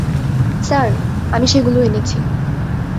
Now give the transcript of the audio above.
Sir, আমি সেগুলো এনেছি।